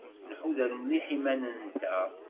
Nḥuder mliḥ iman-nteɣ.